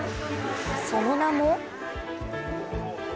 その名も。